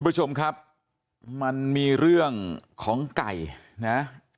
คุณผู้ชมครับมันมีเรื่องของไก่นะ